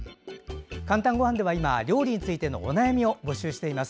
「かんたんごはん」では今料理についてのお悩みを募集しています。